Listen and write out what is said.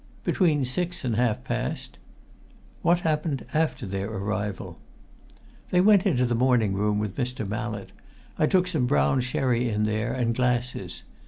"Between six and half past." "What happened after their arrival?" "They went into the morning room with Mr. Mallett. I took some brown sherry in there and glasses.